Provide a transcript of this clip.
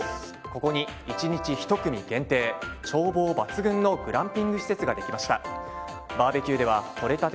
ここに１日１組限定、眺望抜群のグランピング施設ができました。